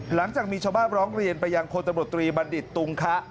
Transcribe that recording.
หลังจากมีชาวบ้านร้องเรียนไปยังพลตำรวจตรีบัณฑิตตุงคะ